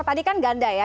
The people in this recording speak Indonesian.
tadi kan ganda ya